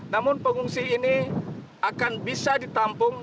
namun pengungsi ini akan bisa ditampung